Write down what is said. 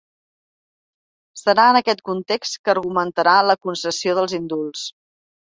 Serà en aquest context que argumentarà la concessió dels indults.